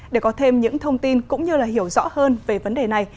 để có thêm những thông tin cũng như hiểu rõ hơn về vấn đề này